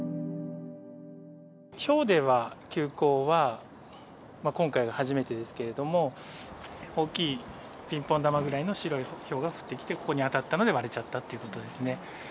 ひょうでは休校は、今回が初めてですけれども、大きいピンポン球ぐらいの白いひょうが降ってきて、ここに当たったので割れちゃったということですね。